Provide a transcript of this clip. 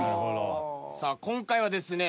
さあ今回はですね